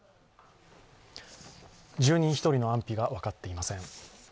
住人１人の安否が分かっていません。